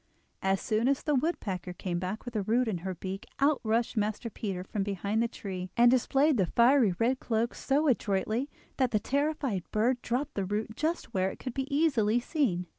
As soon as the woodpecker came back with the root in her beak out rushed Master Peter from behind the tree and displayed the fiery red cloak so adroitly that the terrified bird dropped the root just where it could be easily seen.